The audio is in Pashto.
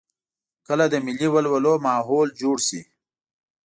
کله د ملي ولولو ماحول جوړ شي.